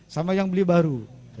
sama yang beli baru